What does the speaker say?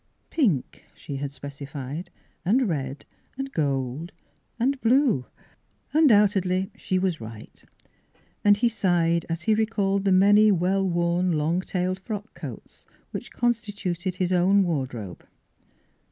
Pink, she had specified, and red, and gold, and blue. Undoubtedly she was right, and he sighed as he recalled the many well worn long tailed frock coats, which constituted his own wardrobe.